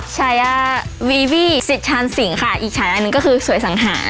ฉายาวีวี่สิทชานสิงค่ะอีกฉาอันหนึ่งก็คือสวยสังหาร